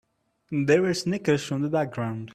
There were snickers from the background.